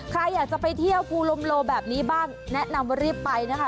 ใครอยากจะไปเที่ยวภูลมโลแบบนี้บ้างแนะนำว่ารีบไปนะคะ